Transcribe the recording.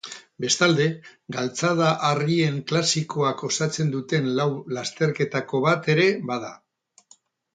Bestalde, Galtzada-harrien klasikoak osatzen duten lau lasterketako bat ere bada.